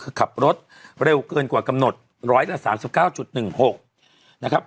คือขับรถเร็วกว่ากำหนดร้อยละสามสิบเก้าจุดหนึ่งหกครับ